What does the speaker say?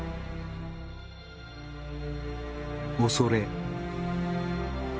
恐れ。